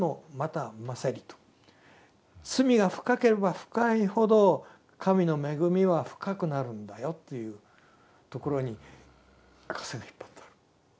罪が深ければ深いほど神の恵みは深くなるんだよというところに赤線が引っ張ってある。